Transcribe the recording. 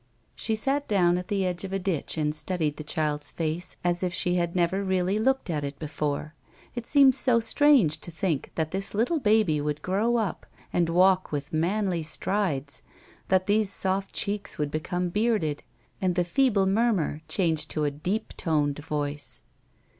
She sat down at the edge of a ditch and studied the child's face as if she had never really looked at it before. It seemed so strange to think that this little baby would grow up, and walk with manly strides, that these soft cheeks would become bearded, and the feeble murmur change to a deep toned voice.